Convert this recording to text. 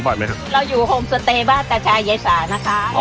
เป็นผสมสต่าเยษานะคะ